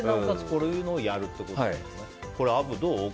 こういうのをやるってことですね。